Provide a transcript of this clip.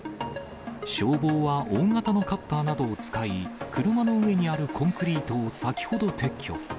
消防は大型のカッターなどを使い、車の上にあるコンクリートを先ほど撤去。